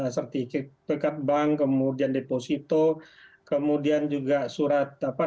sertifikat bank kemudian deposito kemudian juga surat utang bank